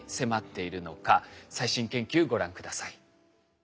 最新研究ご覧下さい。